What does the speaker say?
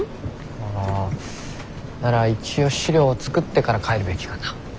ああなら一応資料作ってから帰るべきかな。